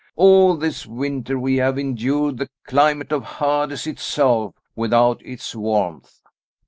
All this winter we have endured the climate of Hades itself, without its warmth."